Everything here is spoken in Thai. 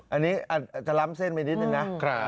อันนี้อาจจะล้ำเส้นไปนิดนึงนะ